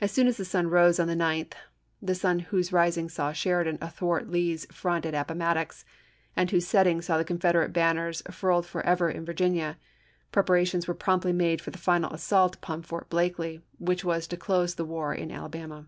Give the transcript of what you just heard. As soon as the sun rose on the 9th Apr., i865. — the sun whose rising saw Sheridan athwart Lee's front at Appomattox, and whose setting saw the Confederate banners furled forever in Virginia — preparations were promptly made for the final assault upon Fort Blakely, which was to close the war in Alabama.